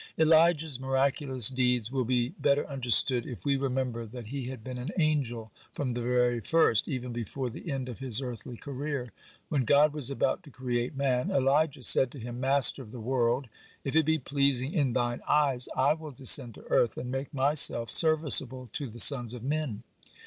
(38) Elijah's miraculous deeds will be better understood if we remember that he had been an angel from the very first, even before the end of his earthly career. When God was about to create man, Elijah said to Him: "Master of the world! If it be pleasing in Thine eyes, I will descend to earth, and make myself serviceable to the sons of men."